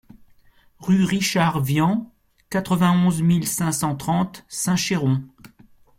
Rue Richard Vian, quatre-vingt-onze mille cinq cent trente Saint-Chéron